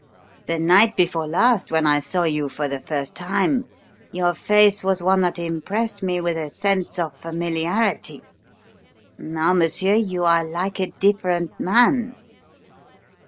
The night before last, when I saw you for the first time, your face was one that impressed me with a sense of familiarity now, monsieur, you are like a different man."